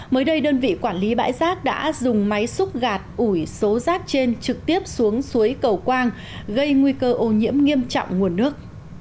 mới đây đơn vị quản lý bãi rác đã dùng máy xúc gạt ủi số rác trên trực tiếp xuống suối cầu quang gây nguy cơ ô nhiễm nghiêm trọng nguồn nước